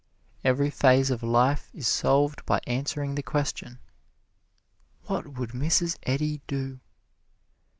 Every phase of life is solved by answering the question, "What would Mrs. Eddy do?"